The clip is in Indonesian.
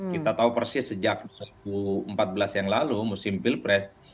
kita tahu persis sejak dua ribu empat belas yang lalu musim pilpres